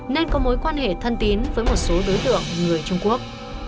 nên có mối quan hệ thân tín với một số đối tượng người trung quốc